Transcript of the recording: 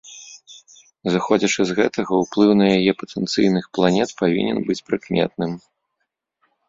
Зыходзячы з гэтага, уплыў на яе патэнцыйных планет павінен быць прыкметным.